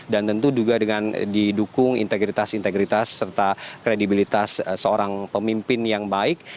dan tentu juga dengan didukung integritas integritas serta kredibilitas seorang pemimpin yang baik